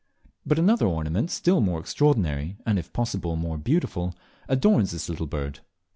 But another ornament still more extraordinary, and if possible more beautiful, adorns this little bird.